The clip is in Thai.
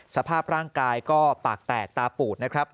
สภาพร่างกายก็ปากแตกตาปูดนะครับ